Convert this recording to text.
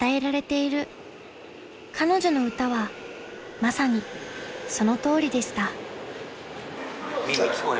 ［彼女の歌はまさにそのとおりでした］